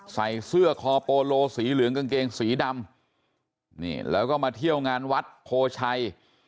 ใส่เสื้อคอโปโลสีเหลืองกางเกงสีดำนี่แล้วก็มาเที่ยวงานวัดโพชัย